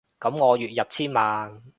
噉我月入千萬